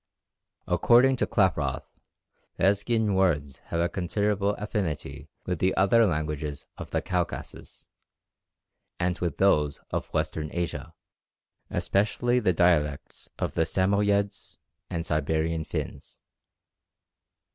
According to Klaproth, Lesghian words have a considerable affinity with the other languages of the Caucasus, and with those of Western Asia, especially the dialects of the Samoyedes and Siberian Finns.